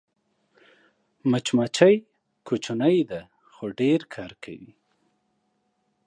مچمچۍ کوچنۍ ده خو ډېر کار کوي